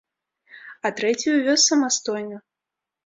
А трэцюю вёз самастойна.